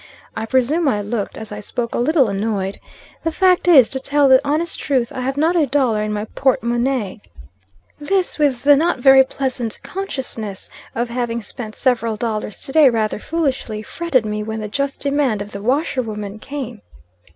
I presume I looked, as I spoke, a little annoyed. The fact is, to tell the honest truth, I have not a dollar in my porte monnaie; this with the not very pleasant consciousness of having spent several dollars to day rather foolishly, fretted me when the just demand of the washerwoman came."